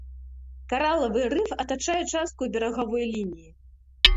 Каралавы рыф атачае частку берагавой лініі.